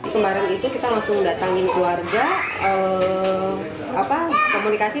kemarin itu kita langsung datangin keluarga komunikasi